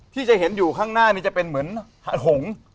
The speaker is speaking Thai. ที่จะเห็นอยู่ข้างหน้านี่จะเป็นเหมือนหง